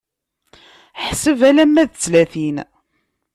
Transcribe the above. Ḥseb alamma d tlatin.